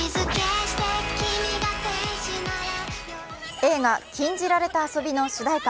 映画「禁じられた遊び」の主題歌